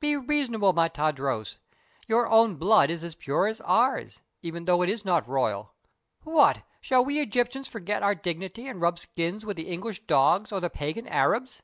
Be reasonable, my Tadros! Your own blood is as pure as ours, even though it is not royal. What! shall we Egyptians forget our dignity and rub skins with the English dogs or the pagan Arabs?"